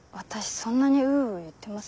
そんなに「うう」言ってます？